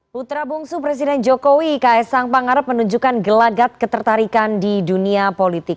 putra bungsu presiden jokowi ks sang pangarep menunjukkan gelagat ketertarikan di dunia politik